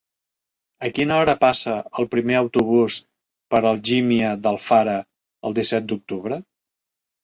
A quina hora passa el primer autobús per Algímia d'Alfara el disset d'octubre?